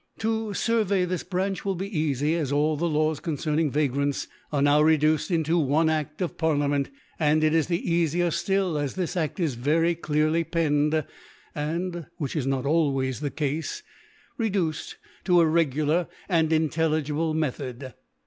To fijrvey this Branch will be eafy, as all the Laws concerning Vagrants are now re duced into one A6t of rarfiament i and it is ( ^37 ) is the eafier ftrtl^ as this A^ is very tlearhf penned, and (which is not always the Cafe) reduced to a regular and intelligible Me thod.